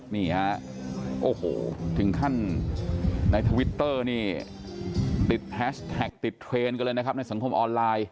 นี่ฮะโอ้โหถึงขั้นในทวิตเตอร์นี่ติดแฮชแท็กติดเทรนด์กันเลยนะครับในสังคมออนไลน์